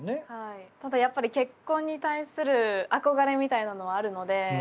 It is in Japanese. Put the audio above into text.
ただやっぱり結婚に対する憧れみたいなのはあるので。